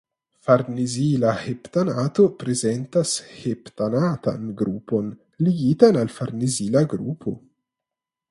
Farnezila heptanato prezentas heptanatan grupon ligitan al farnezila grupo.